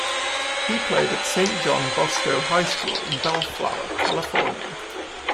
He played at Saint John Bosco High School in Bellflower, California.